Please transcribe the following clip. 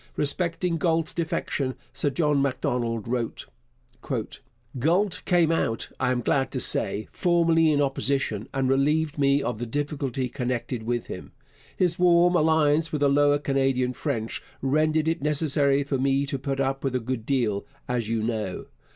Respecting Galt's defection Sir John Macdonald wrote: Galt came out, I am glad to say, formally in opposition and relieved me of the difficulty connected with him. His warm alliance with the Lower Canadian French rendered it necessary for me to put up with a good deal, as you know.